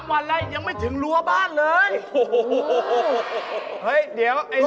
๓วันเลยยังไม่ถึงรัวบ้านเลย